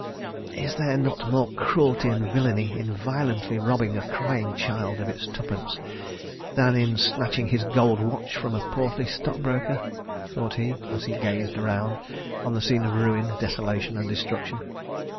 .. "Is there not more cruelty and villainy in violently robbing a crying child of its twopence than in snatching his gold watch from a portly stockbroker?" thought he, as he gazed around on the scene of ruin, desolation and destruction.